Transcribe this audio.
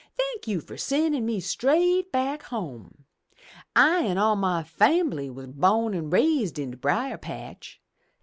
Thank you fur sendin' me straight back home! I an' all my fambly was bo'n an' raised in de brier patch.